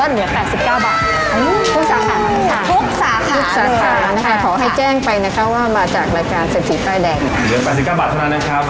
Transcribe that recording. เหนือ๘๙บาทเท่านั้นนะครับ